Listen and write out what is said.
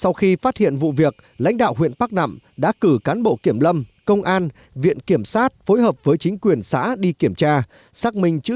sau khi phát hiện vụ việc lãnh đạo huyện bắc nặng đã cử cán bộ kiểm lâm công an viện kiểm sát phối hợp với chính quyền xã đi kiểm tra